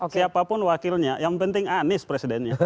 siapapun wakilnya yang penting anies presidennya